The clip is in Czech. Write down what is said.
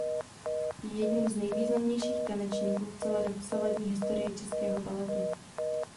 Je jedním z nejvýznamnějších tanečníků v celé dosavadní historii českého baletu.